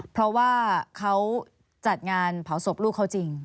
เพราะว่าเขาจัดงานเผาศพลูกเขาจริง